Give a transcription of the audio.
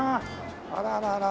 あららら。